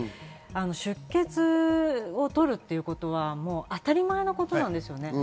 出欠を取るということは当たり前のことなんですよね。